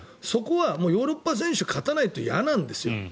そこはヨーロッパ選手が勝たないと嫌なんですよ。